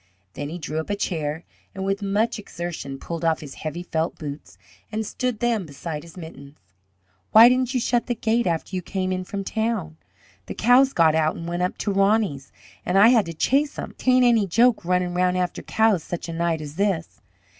Then he drew up a chair and with much exertion pulled off his heavy felt boots and stood them beside his mittens. "Why didn't you shut the gate after you came in from town? The cows got out and went up to Roney's an' I had to chase 'em; 'tain't any joke runnin' round after cows such a night as this."